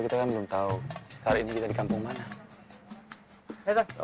kita kan belum tahu hari ini kita di kampung mana